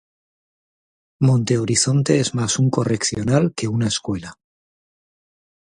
Monte Horizonte es más un correccional que una escuela.